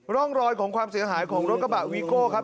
ร่องรอยของความเสียหายของรถกระบะวีโก้ครับ